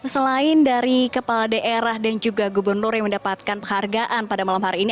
selain dari kepala daerah dan juga gubernur yang mendapatkan penghargaan pada malam hari ini